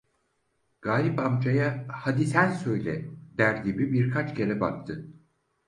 Galip amcaya "hadi, sen söyle!" der gibi birkaç kere baktı.